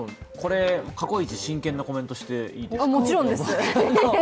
過去一真剣なコメントしていいですか？